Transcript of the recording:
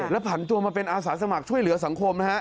ผันตัวมาเป็นอาสาสมัครช่วยเหลือสังคมนะฮะ